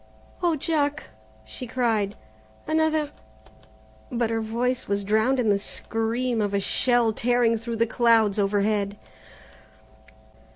"Oh, Jack," she cried, "another " but her voice was drowned in the scream of a shell tearing through the clouds overhead.